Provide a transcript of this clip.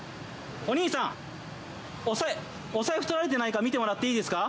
お兄さん、お財布とられてないか見てもらっていいですか。